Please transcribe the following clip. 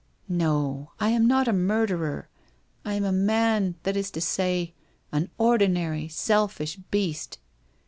' Xo, I am not a murderer, T am a man, that is to say, an ordinary, selfish beast.